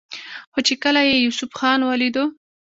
خو چې کله يې يوسف خان وليدو